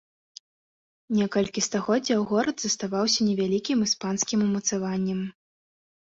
Некалькі стагоддзяў горад заставаўся невялікім іспанскім умацаваннем.